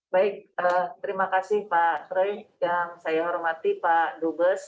baik terima kasih pak roy yang saya hormati pak dubes